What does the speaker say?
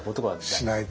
しないと。